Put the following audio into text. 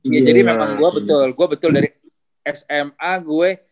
iya jadi memang gua betul gua betul dari sma gue